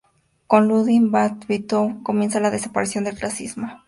Con Ludwig van Beethoven comienza la desaparición del clasicismo y el principio del romanticismo.